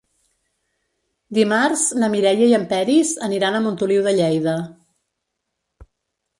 Dimarts na Mireia i en Peris aniran a Montoliu de Lleida.